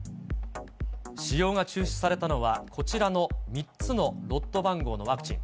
使用が中止されたのは、こちらの３つのロット番号のワクチン。